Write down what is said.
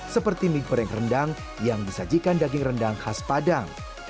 seperti mie goreng rendang yang disajikan daging rendang khas padang